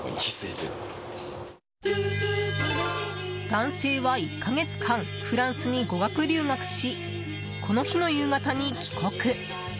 男性は１か月間フランスに語学留学しこの日の夕方に帰国。